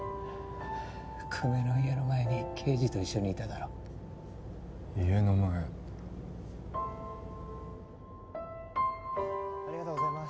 久米の家の前に刑事と一緒にいただろ家の前ありがとうございます